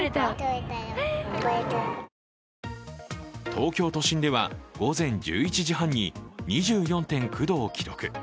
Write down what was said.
東京都心では、午前１１時半に２４．９度を記録。